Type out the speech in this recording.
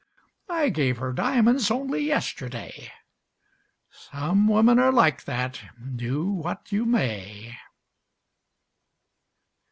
I gave her diamonds only yesterday: Some women are like that, do what you may.